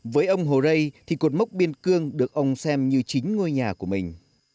với ông hồ rây thì cột mốc biên cương được ông xem như chính ngôi nhà của mình